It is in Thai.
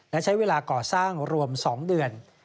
และใช้เวลาก่อสร้างรวม๒เดือน